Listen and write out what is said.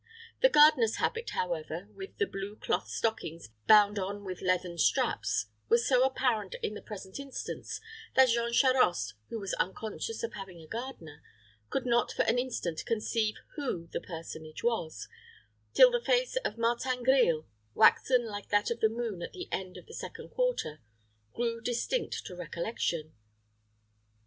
The gardener's habit, however, with the blue cloth stockings bound on with leathern straps, was so apparent in the present instance, that Jean Charost, who was unconscious of having a gardener, could not for an instant conceive who the personage was, till the face of Martin Grille, waxen like that of the moon at the end of the second quarter, grew distinct to recollection.